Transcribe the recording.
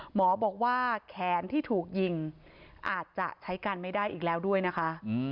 หมอบอกว่าแขนที่ถูกยิงอาจจะใช้กันไม่ได้อีกแล้วด้วยนะคะ